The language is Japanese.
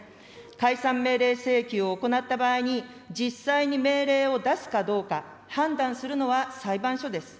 解散命令請求を行った場合に、実際に命令を出すかどうか、判断するのは裁判所です。